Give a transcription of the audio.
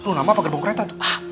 loh nama apa gerbong kereta tuh